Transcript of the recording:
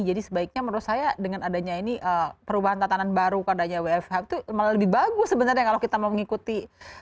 jadi sebaiknya menurut saya dengan adanya ini perubahan tatanan baru keadanya wfh itu malah lebih bagus sebenarnya kalau kita mau mengikuti